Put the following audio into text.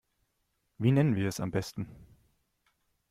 Wie nennen wir es am besten?